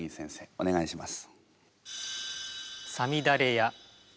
お願いします。